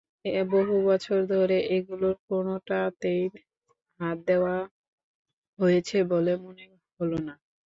বহু বছর ধরে এগুলোর কোনোটাতেই হাত দেওয়া হয়েছে বলে মনে হলো না।